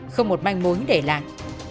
không một manh mối để lại